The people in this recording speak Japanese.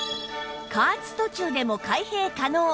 加圧途中でも開閉可能